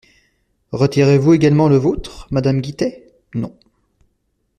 Retirez-vous également le vôtre, madame Guittet ? Non.